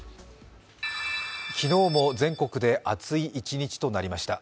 昨日も全国で暑い一日となりました。